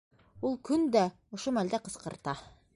Ул көн дә ошо мәлдә ҡысҡырта.